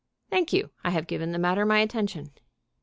Thank you. I have given the matter my attention."